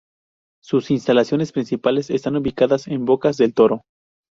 Sus instalaciones principales está ubicadas en Bocas del Toro.